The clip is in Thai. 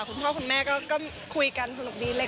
คุณพ่อคุณแม่ก็คุยกันสนุกดีเลย